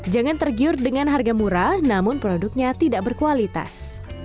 jangan tergiur dengan harga murah namun produknya tidak berkualitas